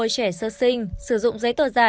trẻ sơ sinh sử dụng giấy tờ giả